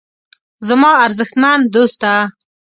زما ارزښتمن دوسته.